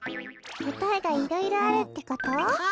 こたえがいろいろあるってこと？か！